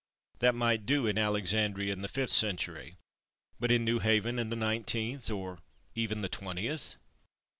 That might do in Alexandria in the fifth century. But in New Haven in the nineteenth, or even the twentieth